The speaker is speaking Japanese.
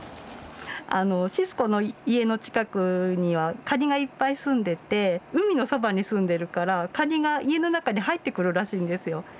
あのシスコの家の近くにはカニがいっぱい住んでて海のそばに住んでるからカニが家の中に入ってくるらしいんですよ。